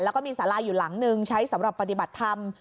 แล้วก็มีสาราอยู่หลังนึงใช้สำหรับปฏิบัติธรรม